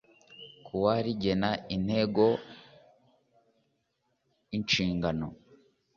kuwa rigena intego inshingano